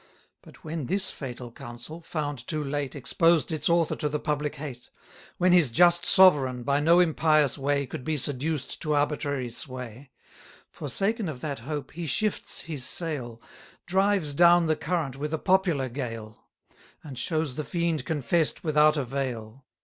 But when this fatal counsel, found too late, Exposed its author to the public hate; When his just sovereign, by no impious way Could be seduced to arbitrary sway; Forsaken of that hope he shifts his sail, Drives down the current with a popular gale; 80 And shows the fiend confess'd without a veil.